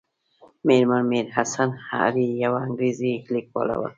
مېرمن میر حسن علي یوه انګریزۍ لیکواله وه.